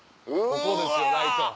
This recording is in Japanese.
ここですよライト。